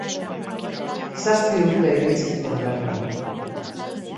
Zazpi urte egin zituen bertan.